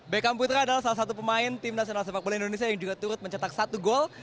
bekam putra adalah salah satu pemain tim nasional sepak bola indonesia yang juga turut mencetak satu gol